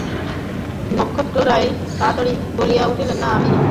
নক্ষত্ররায় তাড়াতাড়ি বলিয়া উঠিলেন, না, আমি না।